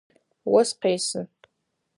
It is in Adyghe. Ос къесы.